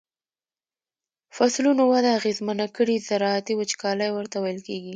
فصلونو وده اغیزمنه کړي زراعتی وچکالی ورته ویل کیږي.